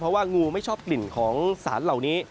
เพราะว่างูไม่ชอบกลิ่นของสารเหล่านี้